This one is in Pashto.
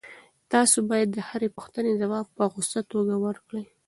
تاسي باید د هرې پوښتنې ځواب په غوڅه توګه ورکړئ.